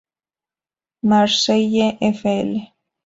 Marseille; Fl.